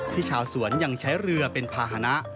ชาวสวนยังใช้เรือเป็นภาษณะ